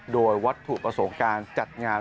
โดยวัตถุประสงค์การจัดงาน